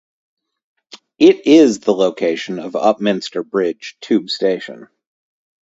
It is the location of Upminster Bridge tube station.